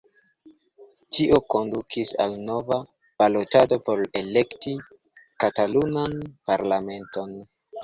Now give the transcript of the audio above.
Tio kondukis al nova balotado por elekti Katalunan Parlamenton.